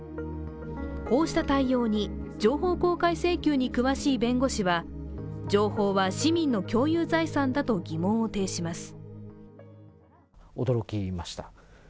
こうした対応に、情報公開請求に詳しい弁護士は情報は市民の共有財産だと疑問を呈します。